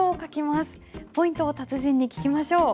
ポイントを達人に聞きましょう。